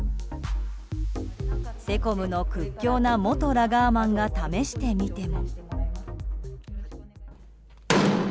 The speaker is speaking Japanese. セコムの屈強な元ラガーマンが試してみても。